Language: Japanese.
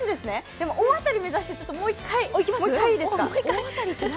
でも、大当たり目指してもう一回いいですか？